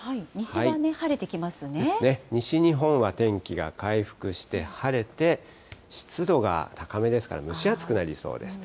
西日本は天気が回復して晴れて、湿度が高めですから、蒸し暑くなりそうです。